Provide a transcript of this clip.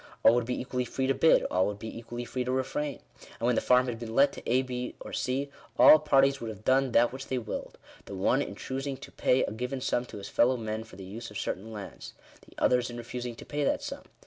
All would be equally free to bid ; all would be equally free to refrain. And when the farm had been let to A, B, or G, all parties would have done that which they willed — the one in choosing to pay a given sum to his fellow men for the use of certain lands — the others in re fusing to pay that sum.